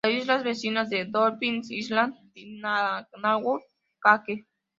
Las islas vecinas de Dolphin Island y Nananu-I-Cake.